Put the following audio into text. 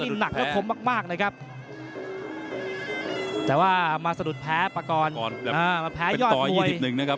ทีน้ำเอามาสะดุแพ้แต่ว่ามันสะดุแพ้อย่างแบบ